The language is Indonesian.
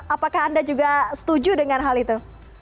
apakah anda juga setuju dengan hal itu